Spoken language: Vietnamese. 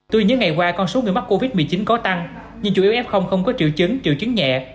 tuy những ngày qua con số người mắc covid một mươi chín có tăng nhưng chủ yếu f không có triệu chứng triệu chứng nhẹ